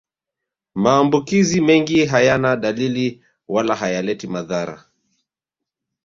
Maambukizi mengi hayana dalili wala hayaleti madhara